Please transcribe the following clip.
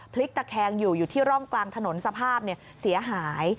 พลิกตะแคงอยู่อยู่ที่ร่องกลางถนนสภาพเสียหาย